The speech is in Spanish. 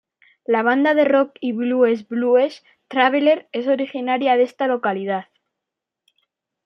La banda de rock y blues Blues Traveler es originaria de esta localidad.